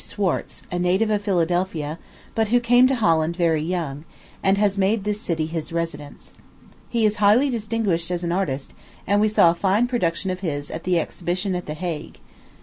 Schwartze, a native of Philadelphia, but who came to Holland very young, and has made this city his residence. He is highly distinguished as an artist; and we saw a fine production of his at the exhibition at the Hague.